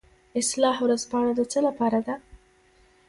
اصلاح ورځپاڼه د څه لپاره ده؟